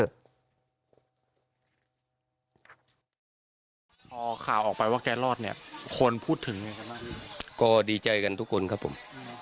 พอข่าวออกไปว่าแจ๊นลอร์ดเนี่ยควรพูดถึงคือก็ดีใจกันทุกคนครับผม